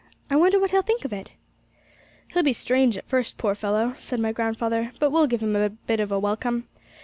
I wonder what he'll think of it?' 'He'll be strange at first, poor fellow, said my grandfather; 'but we'll give him a bit of a welcome.